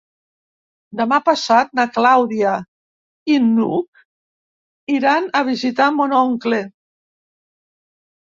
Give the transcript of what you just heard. Demà passat na Clàudia i n'Hug iran a visitar mon oncle.